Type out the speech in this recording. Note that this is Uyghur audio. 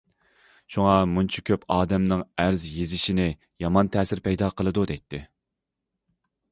شۇڭا مۇنچە كۆپ ئادەمنىڭ ئەرز يېزىشىنى يامان تەسىر پەيدا قىلىدۇ، دەيتتى.